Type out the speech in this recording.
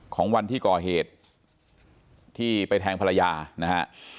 ของวันที่ก่อเหตุที่ไปแทงภรรยานะฮะ